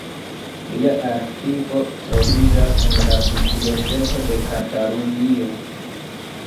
Lia arkivo troviĝas en la Biblioteko de Katalunio.